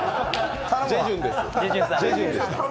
ジェジュンさん、